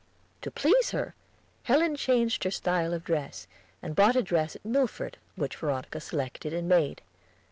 To please her, Helen changed her style of dress, and bought a dress at Milford, which Veronica selected and made.